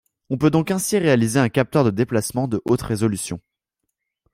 On peut donc ainsi réaliser un capteur de déplacement de haute résolution.